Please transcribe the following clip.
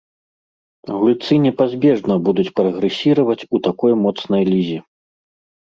Гульцы непазбежна будуць прагрэсіраваць у такой моцнай лізе.